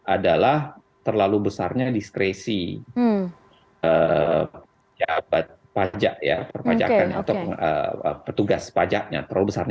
adalah terlalu besarnya diskresi jabat pajak ya perpajakan atau petugas pajaknya terlalu besarnya